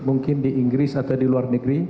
mungkin di inggris atau di luar negeri